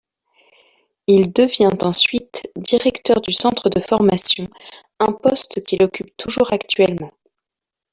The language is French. Il devient ensuite directeur du centre de formation, un poste qu'il occupe toujours actuellement.